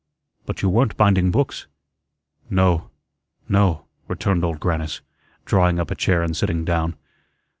But you weren't binding books." "No, no," returned Old Grannis, drawing up a chair and sitting down.